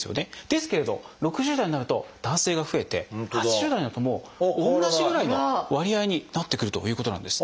ですけれど６０代になると男性が増えて８０代になると同じぐらいの割合になってくるということなんです。